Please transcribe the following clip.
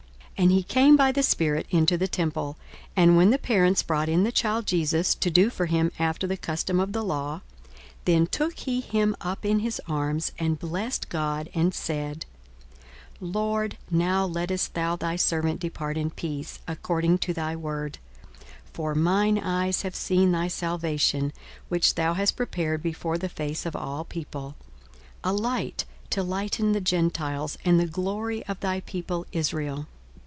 42:002:027 And he came by the Spirit into the temple: and when the parents brought in the child Jesus, to do for him after the custom of the law, 42:002:028 Then took he him up in his arms, and blessed God, and said, 42:002:029 Lord, now lettest thou thy servant depart in peace, according to thy word: 42:002:030 For mine eyes have seen thy salvation, 42:002:031 Which thou hast prepared before the face of all people; 42:002:032 A light to lighten the Gentiles, and the glory of thy people Israel.